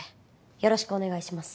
よろしくお願いします